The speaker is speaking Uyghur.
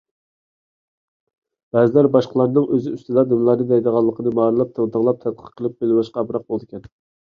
بەزىلەر باشقىلارنىڭ ئۆزى ئۈستىدە نېمىلەرنى دەيدىغانلىقىنى مارىلاپ، تىڭتىڭلاپ، تەتقىق قىلىپ بىلىۋېلىشقا ئامراق بولىدىكەن.